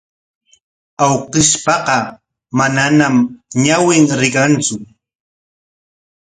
Awkishpaqa manañam ñawin rikantsu.